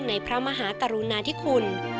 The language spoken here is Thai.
ในพระมหาตรุณิคุณ